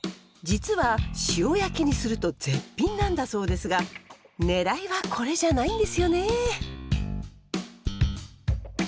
実は塩焼きにすると絶品なんだそうですが狙いはこれじゃないんですよね。